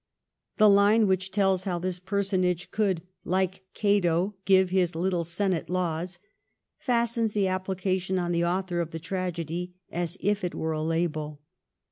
The line which tells how this personage could ' like Cato give his little senate laws,' fastens the application on the author of the tragedy as if it were a label.